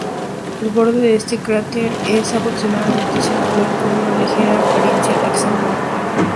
El borde de este cráter es aproximadamente circular, con una ligera apariencia hexagonal.